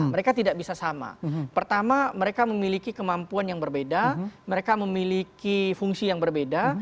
mereka tidak bisa sama pertama mereka memiliki kemampuan yang berbeda mereka memiliki fungsi yang berbeda